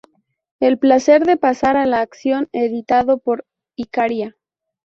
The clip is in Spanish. El placer de pasar a la acción" editado por Icaria.